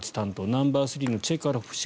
ナンバースリーのチェカロフ氏